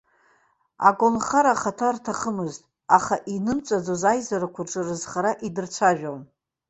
Аколнхара ахаҭа рҭахымызт, аха инымҵәаӡоз аизарақәа рҿы рызхара идырцәажәон.